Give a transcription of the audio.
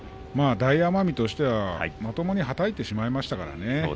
大奄美は、まともにはたいてしまいましたからね。